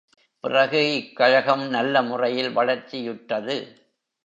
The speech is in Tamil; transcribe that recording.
பிறகு இக் கழகம் நல்ல முறையில் வளர்ச்சியுற்றது.